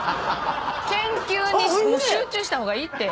研究に集中した方がいいって。